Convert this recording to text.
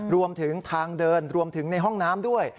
รวมถึงทางเดินรวมถึงในห้องน้ำด้วย